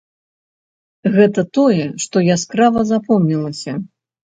Гэта тое, што яскрава запомнілася.